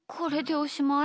おしまい。